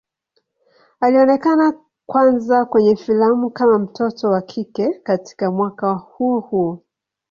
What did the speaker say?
Alionekana kwanza kwenye filamu kama mtoto wa kike katika mwaka huo huo.